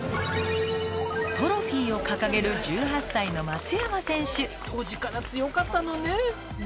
トロフィーを掲げる１８歳の松山選手当時から強かったのね